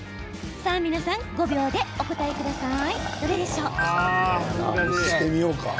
皆さん５秒でお答えください。